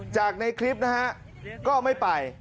จากในคลิปนะฮะก็ไม่ไป